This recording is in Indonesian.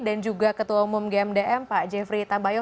dan juga ketua umum gmdm pak jeffrey tambayo